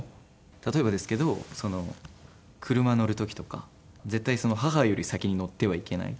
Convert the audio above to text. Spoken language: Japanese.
例えばですけど車乗る時とか絶対母より先に乗ってはいけない。